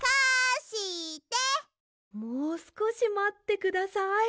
もうすこしまってください。